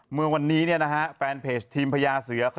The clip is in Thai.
เมื่อวันนี้แฟนเพจทีมพญาเสือ